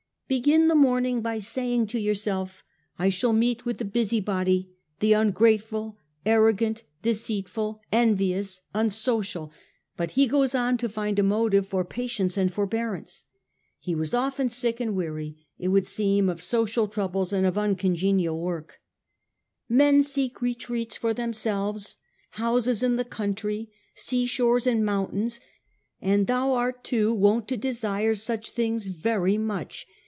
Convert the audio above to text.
' Begin the morning by saying to thyself, I shall meet with the busy body, the ungrateful, arrogant, deceitful, envious, unsociaV but he goes on to find a motive for patience and forbearance. He was often sick and was^often* weary, it would seem, of social troubles and of weary of • 1 ^ It ^ .the evil. uncongenial work. ^ Men seek retreats for themselves, houses in the country, seashores and mountains ; and thou too art wont to desire such things /cry much.